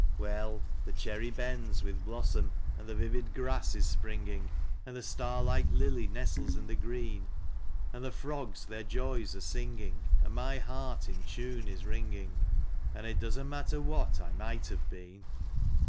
Well, the cherry bends with blossom, and the vivid grass is springing, And the star like lily nestles in the green; And the frogs tlieir joys are singing, and my heart in tune is ringing. And it doesn't matter what I might have been.